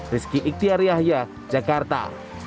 rizky iktiar yahya jakarta